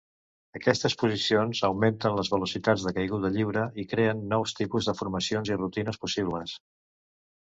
Aquestes posicions augmenten les velocitats de caiguda lliure i creen nous tipus de formacions i rutines possibles.